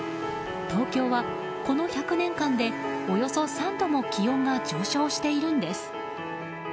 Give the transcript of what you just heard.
東京は、この１００年間でおよそ３度も気温が上昇しているんです。